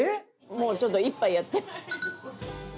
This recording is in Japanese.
もうちょっと一杯やって。